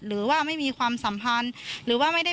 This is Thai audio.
หรือว่าอะไรประมาณหนึ่งอะค่ะ